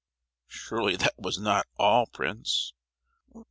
"Surely that was not all, Prince?"